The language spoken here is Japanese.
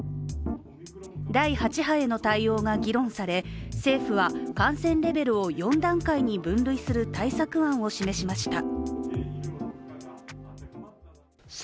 第８波への対応が議論され政府は感染レベルを４段階に分類する対策案を示しました。